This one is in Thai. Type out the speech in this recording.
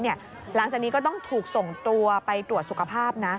หลังจากนี้ก็ต้องถูกส่งตัวไปตรวจสุขภาพนะ